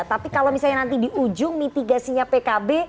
tapi kalau misalnya nanti di ujung mitigasinya pkb